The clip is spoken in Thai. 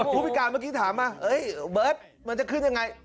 ผู้พิการเมื่อกี้ถามมาเฮ้ยเบิร์ตมันจะขึ้นยังไง